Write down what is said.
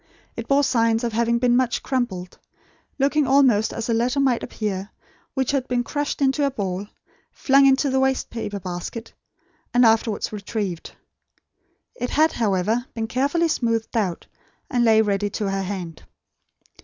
It bore signs of having been much crumpled; looking almost as a letter might appear which had been crushed into a ball, flung into the waste paper basket, and afterwards retrieved. It had, however, been carefully smoothed out; and lay ready to her hand.